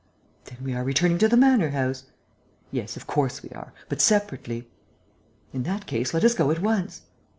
"Then we are returning to the manor house?" "Yes, of course we are, but separately." "In that case, let us go at once."